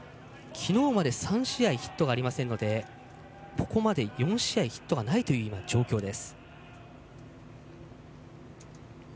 きのうまで３試合ヒットがありませんのでここまで４試合ヒットがないという今、状況です。